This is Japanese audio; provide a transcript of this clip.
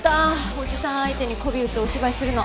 おじさん相手にこび売ってお芝居するの。